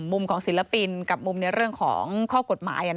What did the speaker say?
มุมของศิลปินกับมุมในเรื่องของข้อกฎหมาย